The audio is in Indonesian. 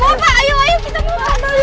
mama aku udah ketemu sama putri